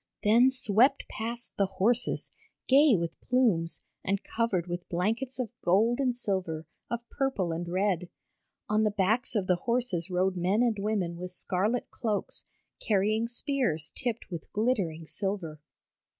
Then swept past the horses, gay with plumes, and covered with blankets of gold and silver, of purple and red. On the backs of the horses rode men and women with scarlet cloaks, carrying spears tipped with glittering silver.